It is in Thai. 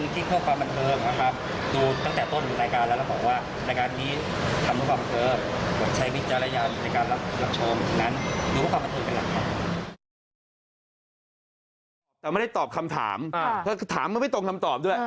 แต่ไม่ได้ตอบคำถามเพราะถามมันไม่ตรงคำตอบด้วย